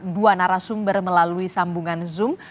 dua narasumber melalui sambungan zoom